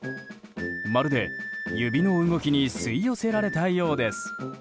まるで、指の動きに吸い寄せられたようです。